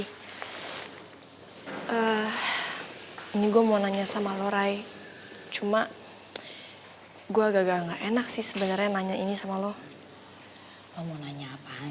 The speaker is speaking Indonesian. ini gua mau nanya sama lo ray cuma gua gak enak sih sebenarnya nanya ini sama lo mau nanya apaan